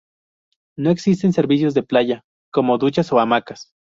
No existen servicios de playa como duchas o hamacas.